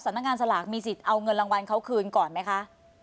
นักงานสลากมีสิทธิ์เอาเงินรางวัลเขาคืนก่อนไหมคะ